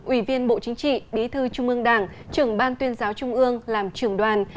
ủy viên bộ chính trị bí thư trung ương đảng trưởng ban tuyên giáo trung ương làm trưởng đoàn